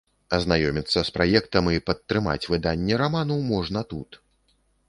Азнаёміцца з праектам і падтрымаць выданне раману можна тут.